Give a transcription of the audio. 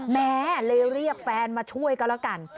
แม้เรียกแฟนมาช่วยกันแล้วกัน